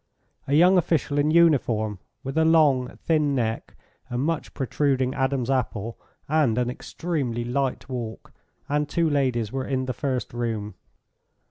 A young official in uniform, with a long, thin neck, a much protruding Adam's apple, and an extremely light walk, and two ladies were in the first room.